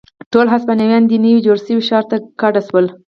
ټول هسپانویان دې نوي جوړ شوي ښار ته کډه شول.